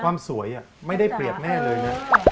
ความสวยไม่ได้เปรียบแน่เลยนะ